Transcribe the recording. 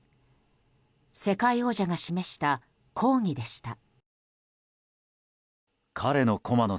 世界王者が示した抗議でした。